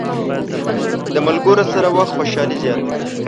د ملګرو سره وخت خوشحالي زیاته وي.